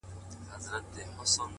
په خبر سو معامیلې دي نوري نوري،